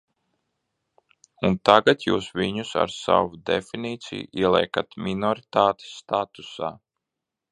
Un tagad jūs viņus ar savu definīciju ieliekat minoritātes statusā.